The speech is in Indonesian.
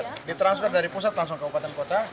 otsusnya ditransfer dari pusat langsung ke kabupaten kota